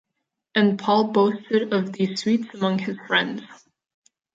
And Paul boasted of these sweets among his friends.